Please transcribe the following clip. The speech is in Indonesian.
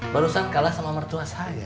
barusan kalah sama mertua saya